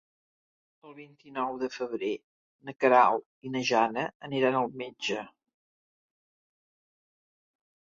El vint-i-nou de febrer na Queralt i na Jana aniran al metge.